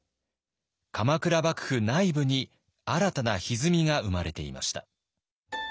鎌倉幕府内部に新たなひずみが生まれていました。